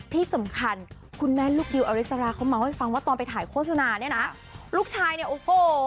ที่สำคัญคุณแม่ลูกดิวอริสราเขาเมาส์ให้ฟังว่าตอนไปถ่ายโฆษณาเนี่ยนะลูกชายเนี่ยโอ้โห